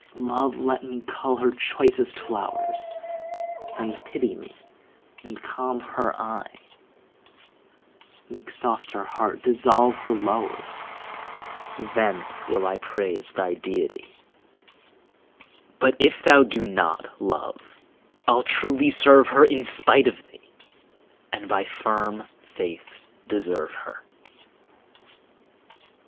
Love, let me cull her choicest flowers, And pity me, and calm her eye; Make soft her heart, dissolve her lowers, Then will I praise thy deity, But if thou do not, Love, I'll truly serve her In spite of thee, and by firm faith deserve her.